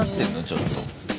ちょっと。